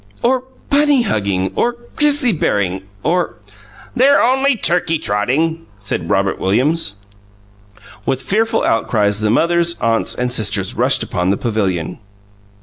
"Or Bunny Hugging or Grizzly Bearing, or " "They're only Turkey Trotting," said Robert Williams. With fearful outcries the mothers, aunts, and sisters rushed upon the pavilion.